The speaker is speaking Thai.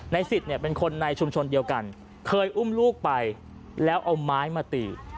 สิทธิ์เนี่ยเป็นคนในชุมชนเดียวกันเคยอุ้มลูกไปแล้วเอาไม้มาตี